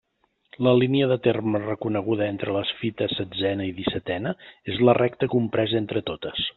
La línia de terme reconeguda entre les fites setzena i dissetena és la recta compresa entre totes.